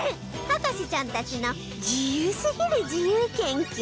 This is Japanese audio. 博士ちゃんたちの自由すぎる自由研究